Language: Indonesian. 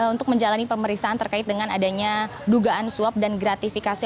untuk menjalani pemeriksaan terkait dengan adanya dugaan suap dan gratifikasi